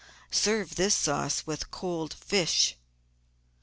Serve this sauce with cold fish.